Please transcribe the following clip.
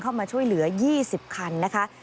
เข้ามาช่วยเหลือ๒๐คันนะคะ